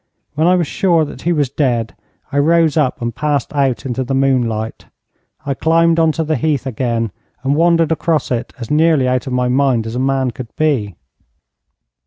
When I was sure that he was dead, I rose up and passed out into the moonlight. I climbed on to the heath again, and wandered across it as nearly out of my mind as a man could be.